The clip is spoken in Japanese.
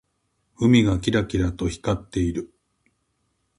海がキラキラと光っている。